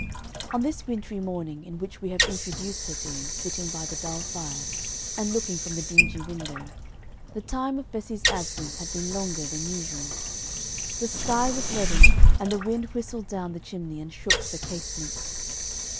On this wintry morning, in which we have introduced her to you, sitting by the dull fire, and looking from the dingy window, the time of Bessie's absence had been longer than usual. The sky was leaden, and the wind whistled down the chimney and shook the casements.